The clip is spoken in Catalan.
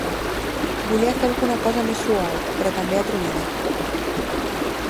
Volia fer alguna cosa més suau, però també atrevida...